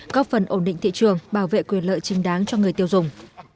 góp phần ổn định thị trường bảo vệ quyền lợi chính đáng cho người tiêu dùng